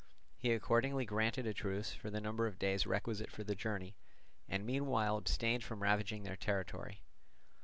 He accordingly granted a truce for the number of days requisite for the journey, and meanwhile abstained from ravaging their territory.